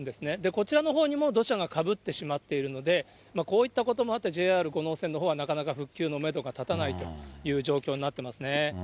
こちらのほうにも土砂がかぶってしまっているので、こういったこともあって、ＪＲ五能線のほうはなかなか復旧のメドが立たないという状況になってますね。